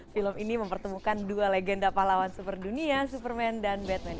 film ini mempertemukan dua legenda pahlawan super dunia superman dan batman